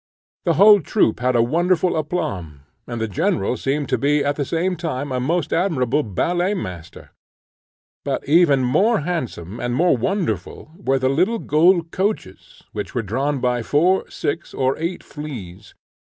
The whole troop had a wonderful a plomb, and the general seemed to be at the same time a most admirable ballet master. But even more handsome and more wonderful were the little gold coaches, which were drawn by four, six, or eight fleas.